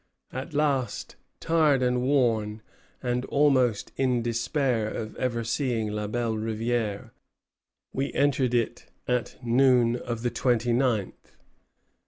At last, tired and worn, and almost in despair of ever seeing La Belle Rivière, we entered it at noon of the 29th."